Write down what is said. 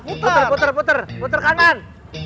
putar putar putar putar kanan